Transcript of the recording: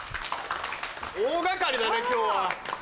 大掛かりだね今日は。